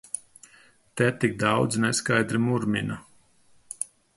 Te tik daudzi neskaidri murmina!